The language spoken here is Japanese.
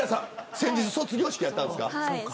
先日、卒業式だったんですか。